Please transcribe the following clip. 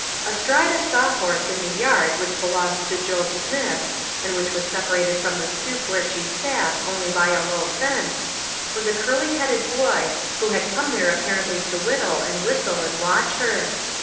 Astride a saw horse in the yard which be longed to Job Smith, and which was separated from the stoop where she sat only by a low NEW FBIENDS. 75 fence, was a curly headed boy, who had come there apparently to whittle and whistle and watch her.